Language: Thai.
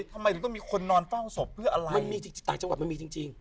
ทำไมถึงต้องมีคนนอนเฝ้าศพเพื่ออะไรมันมีจริงต่างจังหวัดมันมีจริง